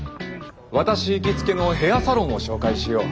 私行きつけのへあさろんを紹介しよう。